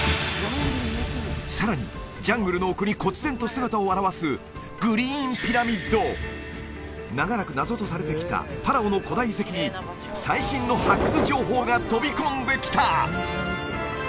さらにジャングルの奥に忽然と姿を現すグリーンピラミッド長らく謎とされてきたパラオの古代遺跡に最新の発掘情報が飛び込んできた！